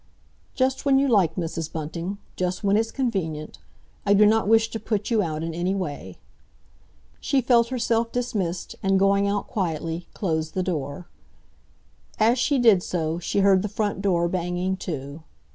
"Just when you like, Mrs. Bunting—just when it's convenient. I do not wish to put you out in any way." She felt herself dismissed, and going out quietly, closed the door. As she did so, she heard the front door banging to.